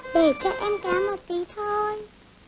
để cho em kéo một tí thôi